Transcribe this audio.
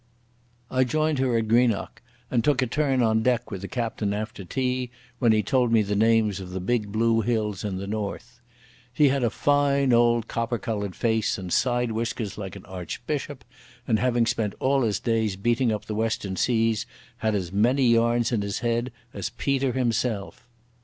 I joined her at Greenock and took a turn on deck with the captain after tea, when he told me the names of the big blue hills to the north. He had a fine old copper coloured face and side whiskers like an archbishop, and, having spent all his days beating up the western seas, had as many yarns in his head as Peter himself.